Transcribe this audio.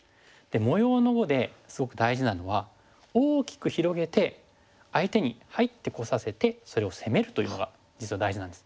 模様の碁ですごく大事なのは大きく広げて相手に入って来させてそれを攻めるというのが実は大事なんです。